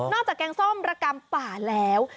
นอกจากแกงส้มระกำป่าแล้ว